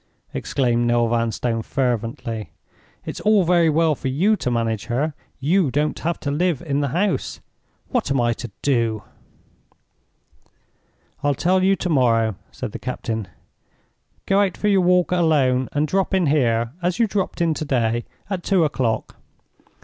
exclaimed Noel Vanstone, fervently. "It's all very well for you to manage her—you don't live in the house. What am I to do?" "I'll tell you to morrow," said the captain. "Go out for your walk alone, and drop in here, as you dropped in to day, at two o'clock.